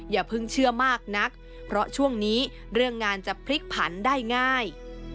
อย่าเพิ่งเชื่อมากนักเพราะช่วงนี้เรื่องงานจะพลิกผันได้ง่าย